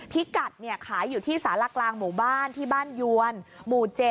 พิกัดขายอยู่ที่สารกลางหมู่บ้านที่บ้านยวนหมู่๗